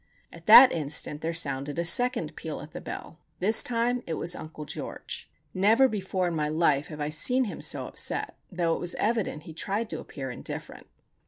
At that instant there sounded a second peal at the bell. This time it was Uncle George. Never before in my life have I seen him so upset, though it was evident he tried to appear indifferent.